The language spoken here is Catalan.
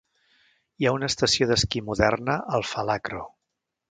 Hi ha una estació d'esquí moderna al Falakro.